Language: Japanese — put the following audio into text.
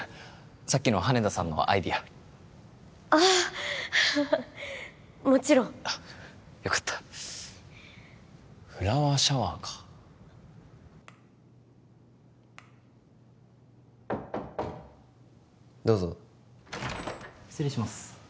さっきの羽田さんのアイデアああもちろんあよかったフラワーシャワーかどうぞ失礼します